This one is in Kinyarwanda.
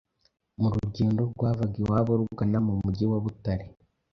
mu rugendo rwavaga iwabo rugana mu mujyi wa Butare.